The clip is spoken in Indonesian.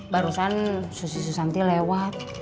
barusan susi susanti lewat